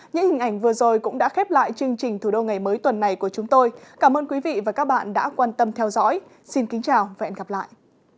những hình ảnh vừa rồi cũng đã khép lại chương trình thủ đô ngày mới tuần này của chúng tôi cảm ơn quý vị và các bạn đã quan tâm theo dõi xin kính chào và hẹn gặp lại